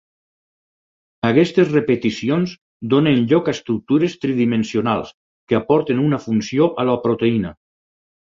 Aquestes repeticions donen lloc a estructures tridimensionals que aporten una funció a la proteïna.